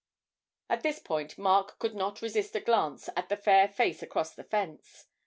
At this point Mark could not resist a glance at the fair face across the fence.